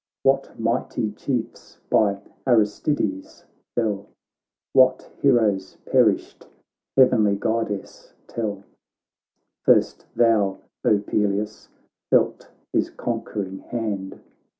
What mighty Chiefs by Aristides fell. What heroes perished, heavenly God dess, tell : First thou, O Peleus I felt his conquering hand.